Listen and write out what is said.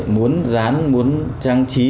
muốn dán muốn trang trí